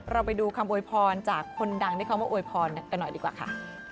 ไปดูคำโวยพรจากคนดังที่เขามาอวยพรกันหน่อยดีกว่าค่ะ